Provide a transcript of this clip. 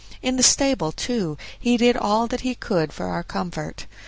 In the stable, too, he did all that he could for our comfort.